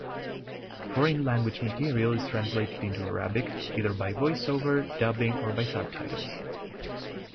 Foreign-language material is translated into Arabic, either by voice-over, dubbing or by subtitles.